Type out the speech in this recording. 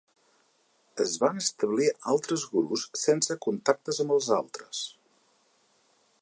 Es van establir altres gurus sense contactes amb els altres.